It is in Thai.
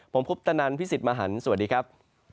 ผมพุทธนันพี่สิทธิ์มหันฯสวัสดีครับ